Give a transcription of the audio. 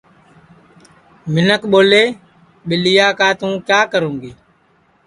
منکھ ٻولے ٻیلیا کا توں کیا کرو گی